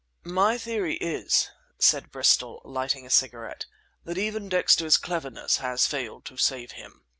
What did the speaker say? "My theory is," said Bristol, lighting a cigarette, "that even Dexter's cleverness has failed to save him.